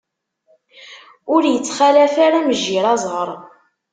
Ur ittxalaf ara mejjir aẓaṛ.